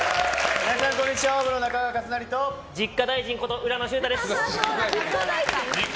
皆さん、こんにちはＯＷＶの中川勝就と実家大臣こと、浦野秀太です。